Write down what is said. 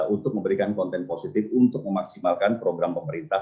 untuk memberikan konten positif untuk memaksimalkan program pemerintah